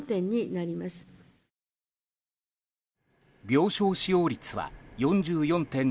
病床使用率は４４．２％。